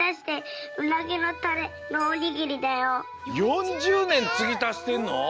４０ねんつぎたしてんの？